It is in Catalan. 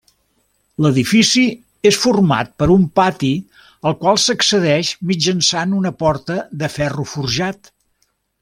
L'edifici és format per un pati al qual s'accedeix mitjançant una porta de ferro forjat.